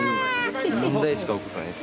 問題しか起こさないっす。